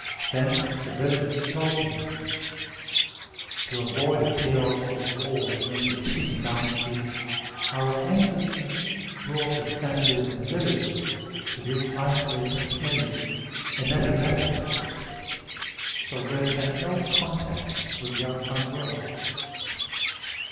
Then the villagers told him, "To avoid the chaos of war during the Qin Dynasty , our ancestors brought their families and villagers to this isolated place and never left it, so we've had no contact with the outside world."